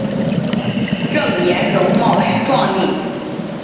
郑俨容貌壮丽。